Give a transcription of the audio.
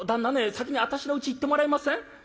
先に私のうち行ってもらえません？」。